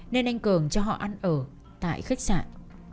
nên anh cường cho họ ăn ở tại khách sạn